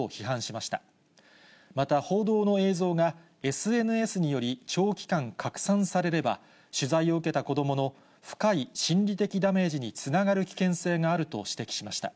また報道の映像が、ＳＮＳにより、長期間拡散されれば、取材を受けた子どもの深い心理的ダメージにつながる危険性があると指摘しました。